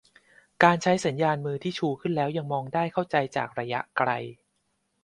- การใช้สัญญาณมือที่ชูขึ้นแล้วยังมองได้เข้าใจจากระยะไกล